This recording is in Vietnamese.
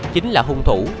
chính là hung thủ